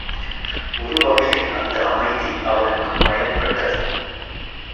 ஒரு வகையில் அந்த அமைதி அவனுக்குப் பயன்பட்டது.